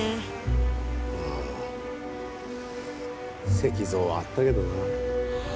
石像はあったけどな。